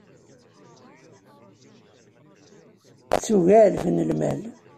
D tuga i iɛellef lmal.